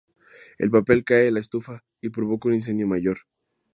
El papel cae de la estufa y provoca un incendio mayor.